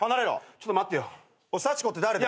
ちょっと待って。